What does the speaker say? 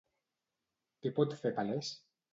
Què pot fer palès?